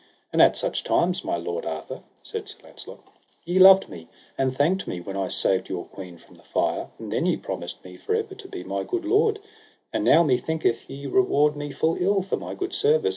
And at such times, my lord Arthur, said Sir Launcelot, ye loved me, and thanked me when I saved your queen from the fire; and then ye promised me for ever to be my good lord; and now methinketh ye reward me full ill for my good service.